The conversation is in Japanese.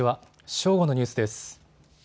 正午のニュースです。